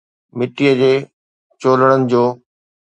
مٽيءَ جي چولڙن جو